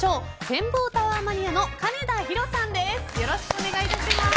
展望タワーマニアのかねだひろさんです。